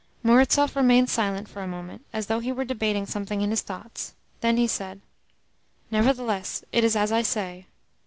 Murazov remained silent for a moment, as though he were debating something in his thoughts. Then he said: "Nevertheless it is as I say.